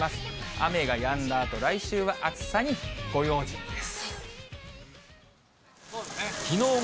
雨がやんだあと、来週は暑さにご用心です。